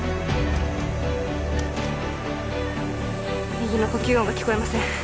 右の呼吸音が聞こえません